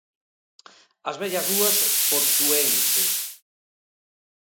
As vellas rúas portuenses.